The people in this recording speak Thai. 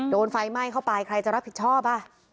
โดนไฟไหม้เข้าไปใครจะรับผิดชอบอ่ะ